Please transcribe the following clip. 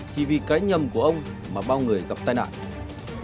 chỉ vì cái nhầm của ông mà bao người gặp tai nạn